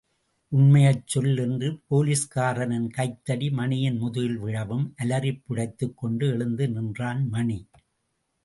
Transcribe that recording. உண்மையைச் சொல் என்று போலீஸ்காரரின் கைத்தடி, மணியின் முதுகில் விழவும் அலறிப் புடைத்துக் கொண்டு எழுந்து நின்றான் மணி.